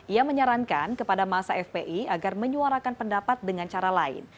ia menyarankan kepada masa fpi agar menyuarakan pendapat dengan cara lain